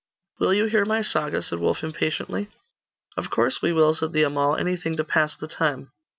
'Will you hear my saga?' said Wulf impatiently. 'Of course we will,' said the Amal; 'anything to pass the time.